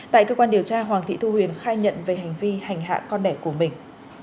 tại cơ quan điều tra hoàng thị thu huyền khai nhận về hành vi hành hạ con đẻ của mình